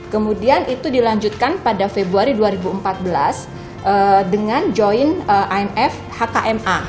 kemudian itu dilanjutkan pada februari dua ribu empat belas dengan join imf hkma